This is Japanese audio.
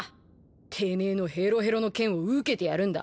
てめえのへろへろの剣を受けてやるんだ。